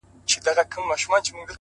زه بې له تا گراني ژوند څنگه تېر كړم!!